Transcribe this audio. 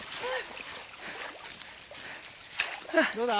どうだ？